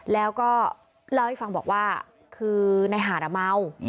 แล้วก็เล่าให้ฟังบอกว่าคือในหาดเมา